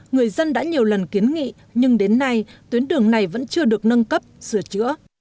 người dân đã nhiều lần kiến nghị nhưng đến nay tuyến đường này vẫn chưa được nâng cấp sửa chữa